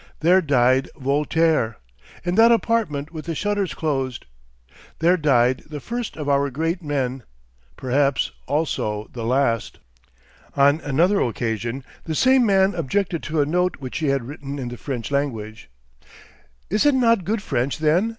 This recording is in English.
There died Voltaire in that apartment with the shutters closed. There died the first of our great men; perhaps also the last." On another occasion the same man objected to a note which she had written in the French language. "Is it not good French, then?"